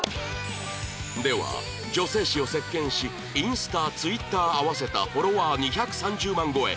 では女性誌を席巻しインスタツイッター合わせたフォロワー２３０万超え